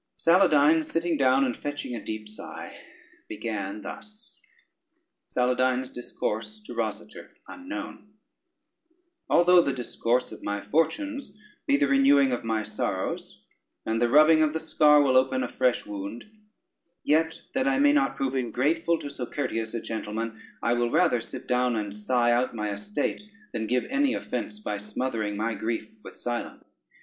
Saladyne sitting down, and fetching a deep sigh, began thus: SALADYNE'S DISCOURSE TO ROSADER UNKNOWN "Although the discourse of my fortunes be the renewing of my sorrows, and the rubbing of the scar will open a fresh wound, yet that I may not prove ingrateful to so courteous a gentleman, I will rather sit down and sigh out my estate, than give any offence by smothering my grief with silence.